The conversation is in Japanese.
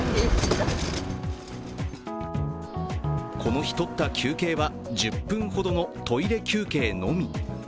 この日とった休憩は１０分ほどのトイレ休憩のみ。